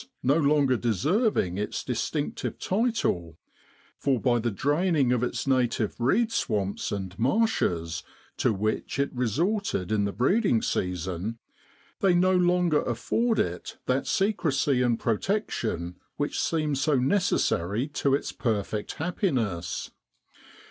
no longer deserving its distinctive title, for by the draining of its native reed swamps and marshes, to which it resorted in the breeding season, they no longer afford it that secrecy and protection which seemed so necessary to its perfect happiness.